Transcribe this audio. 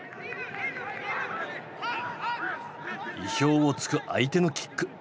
意表をつく相手のキック。